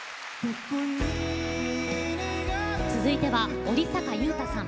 続いては折坂悠太さん。